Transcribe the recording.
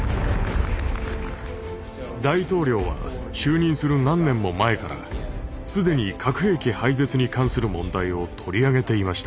大統領は就任する何年も前から既に核兵器廃絶に関する問題を取り上げていました。